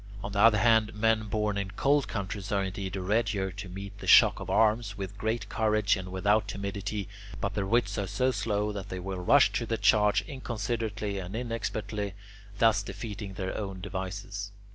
On the other hand, men born in cold countries are indeed readier to meet the shock of arms with great courage and without timidity, but their wits are so slow that they will rush to the charge inconsiderately and inexpertly, thus defeating their own devices.